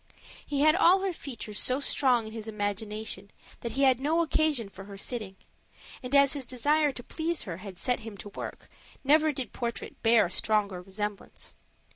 He had all her features so strong in his imagination that he had no occasion for her sitting; and as his desire to please her had set him to work, never did portrait bear a stronger resemblance.